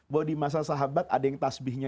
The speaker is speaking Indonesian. bahwa di masa sahabat ada yang tasbihnya